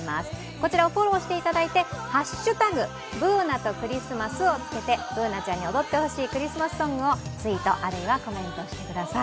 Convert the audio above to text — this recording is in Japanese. こちらをフォローしていただいて「＃ブーナとクリスマス」をつけてＢｏｏｎａちゃんに踊ってほしいクリスマスソングをツイート、あるいはコメントしてください。